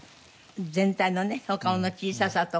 全体のねお顔の小ささとか。